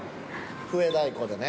笛太鼓でね。